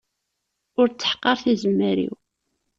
Ur sseḥqar tizemmar-iw.